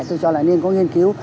tôi cho là nên có nghiên cứu